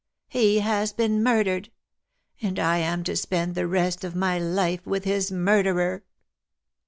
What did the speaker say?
He has been murdered ! And I am to spend the rest of my life with his murderer